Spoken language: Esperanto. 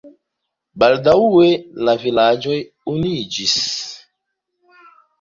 Baldaŭe la vilaĝoj unuiĝis.